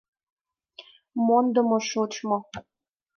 Мондымо шочмо